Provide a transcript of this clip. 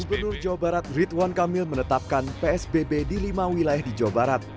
gubernur jawa barat ridwan kamil menetapkan psbb di lima wilayah di jawa barat